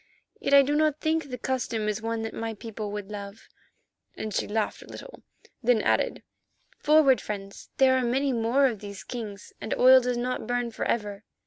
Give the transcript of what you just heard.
"Yet I do not think the custom is one that my people would love," and she laughed a little, then added, "forward, friends, there are many more of these kings and oil does not burn for ever."